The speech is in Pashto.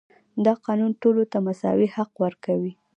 دا قانون ټولو ته مساوي حق ورکوي.